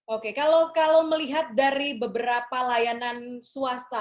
oke kalau melihat dari beberapa layanan swasta